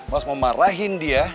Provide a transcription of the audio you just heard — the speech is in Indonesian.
mas mau marahin dia